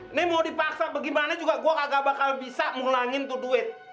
ini mau dipaksa bagaimana juga gue kagak bakal bisa mengulangi itu duit